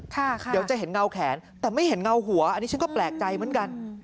เดี๋ยวจะเห็นเงาแขนแต่ไม่เห็นเงาหัวอันนี้ฉันก็แปลกใจเหมือนกัน